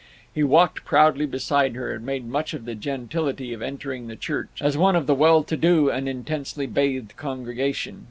He walked proudly beside her, and made much of the gentility of entering the church, as one of the well to do and intensely bathed congregation.